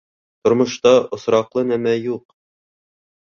Тормошта осраҡлы нәмә юҡ.